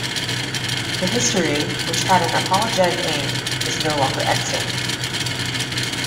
The history, which had an apologetic aim, is no longer extant.